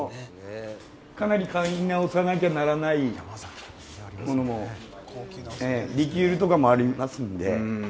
かなり買い直さなきゃならないものもリキュールとかもありますんで。